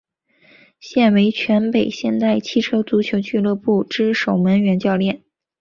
现为全北现代汽车足球俱乐部之守门员教练。